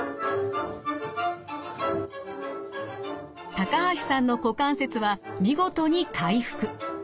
高橋さんの股関節は見事に回復。